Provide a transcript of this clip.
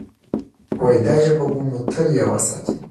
دا ژبه به مو تل یوه ساتي.